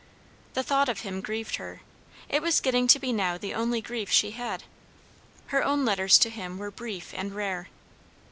The thought of him grieved her; it was getting to be now the only grief she had. Her own letters to him were brief and rare.